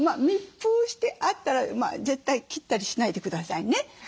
密封してあったら絶対切ったりしないでくださいね。